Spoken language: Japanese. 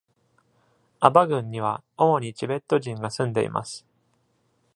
アバ郡には主にチベット人が住んでいます。